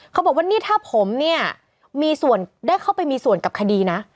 เขาบอกว่านี่ถ้าผมเนี่ยมีส่วนได้เข้าไปมีส่วนกับคดีนะ